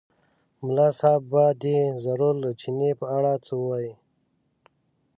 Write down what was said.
ملا صاحب به دی ضرور له چیني په اړه څه ووایي.